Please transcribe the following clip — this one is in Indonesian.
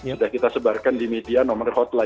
sudah kita sebarkan di media nomor hotline